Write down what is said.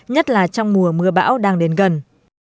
nhất là trong mùa mưa bão đang đến gần